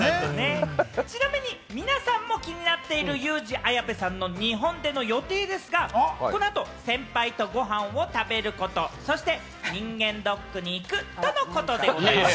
ちなみに皆さんも気になっているユウジ・アヤベさんの日本での予定ですが、この後、先輩とごはんを食べること、そして人間ドックに行くとのことでございます。